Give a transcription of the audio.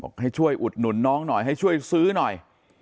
ให้ช่วยอุดหนุนน้องหน่อยให้ช่วยซื้อหน่อย